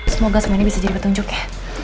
semoga semuanya bisa jadi petunjuk ya